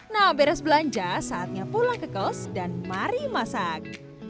nah beres belanja saatnya pulang ke kos dan mari masak